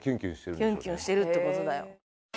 キュンキュンしてるってことだよ